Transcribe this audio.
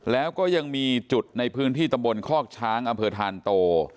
แล้วก็ยังมีจุดในพื้นที่ตำบลคอกช้างอำเภอธานโต